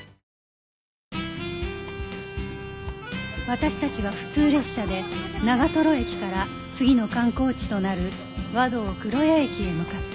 私たちは普通列車で長駅から次の観光地となる和銅黒谷駅へ向かった